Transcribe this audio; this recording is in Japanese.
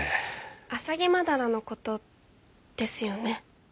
アサギマダラの事ですよね？